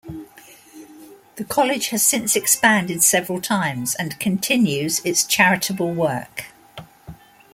The college has since expanded several times and continues its charitable work.